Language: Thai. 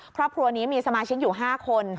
ครอบครัวนี้มีสมาชิกอยู่๕คน